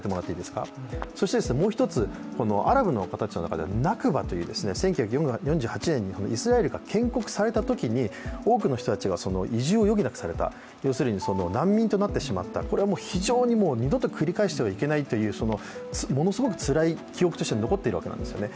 そしてもう一つ、アラブの方たちの中ではナクバという１９４８年にイスラエルが建国されたときに多くの人たちが移住を余儀なくされた、要するに難民となってしまった、これは非常に二度と繰り返してはいけないという、ものすごくつらい記憶として残っているわけなんですね。